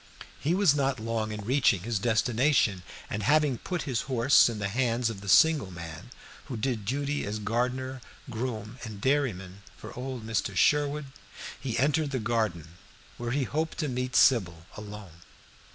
He was not long in reaching his destination, and having put his horse in the hands of the single man who did duty as gardener, groom, and dairyman for old Mr. Sherwood, he entered the garden, where he hoped to meet Sybil alone.